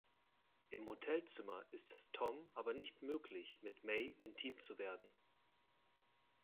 Im Motelzimmer ist es Tom aber nicht möglich, mit Mae intim zu werden.